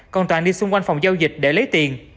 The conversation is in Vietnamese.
còn toàn đi xung quanh phòng giao dịch để lấy tiền